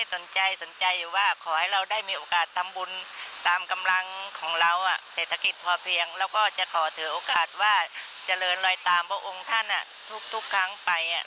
ทำบุญตามกำลังของเราอ่ะเศรษฐกิจพอเพียงแล้วก็จะขอเถอะกาสว่าเจริญลอยตามเพราะองค์ท่านอ่ะทุกทุกครั้งไปอ่ะ